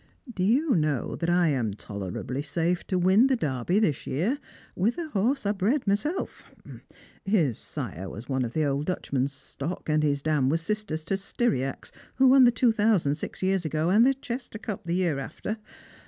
Do you know that I am tolerably safe to win the Derby this year, with a horse I bred myself; bis sire was one of the old Dutchman's stock, and his dam was sister to St^n iax, who won the Two Thousand six years ago, and the Chester Cup the year after